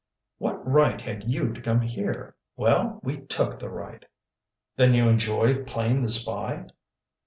"What right had you to come here?" "Well, we took the right." "Then you enjoy playing the spy?"